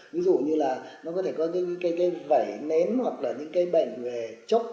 ví dụ như có những cây vẩy nến hoặc những cây bệnh về chốc